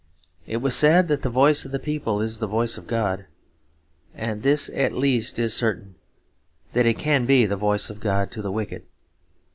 It was said that the voice of the people is the voice of God; and this at least is certain, that it can be the voice of God to the wicked.